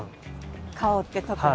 顔って特に。